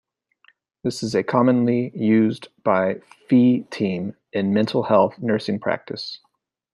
This is a commonly used by Fee Team in mental health nursing practice.